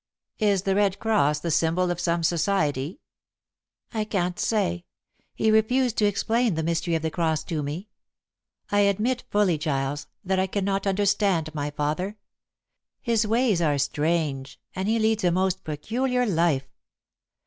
"Is the red cross the symbol of some society?" "I can't say. He refused to explain the mystery of the cross to me. I admit fully, Giles, that I cannot understand my father. His ways are strange, and he leads a most peculiar life.